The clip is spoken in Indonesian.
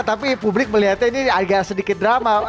tapi publik melihatnya ini agak sedikit drama